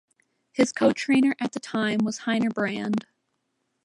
His co-trainer at the time was Heiner Brand.